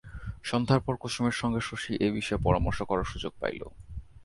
সন্ধ্যার পর কুসুমের সঙ্গে শশী এ বিষয়ে পরমার্শ করার সুযোগ পাইল।